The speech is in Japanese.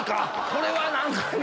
これは何かね